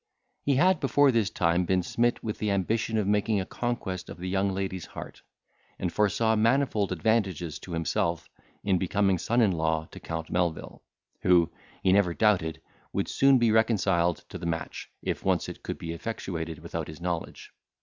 He had before this time been smit with the ambition of making a conquest of the young lady's heart, and foresaw manifold advantages to himself in becoming son in law to Count Melvil, who, he never doubted, would soon be reconciled to the match, if once it could be effectuated without his knowledge.